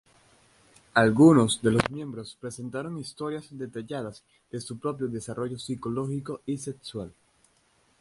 Algunos de los miembros presentaron historias detalladas de su propio desarrollo psicológico y sexual.